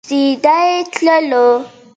د لمر عمر پنځه ملیارده کاله دی.